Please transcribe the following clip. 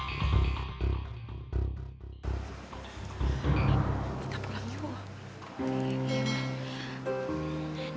kita pulang yuk